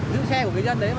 giữ xe của người dân đấy